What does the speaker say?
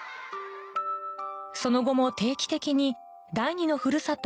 その後も定期的に第二のふるさと